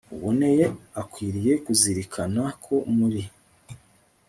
uboneye akwiriye kuzirikana ko muri